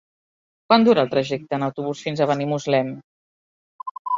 Quant dura el trajecte en autobús fins a Benimuslem?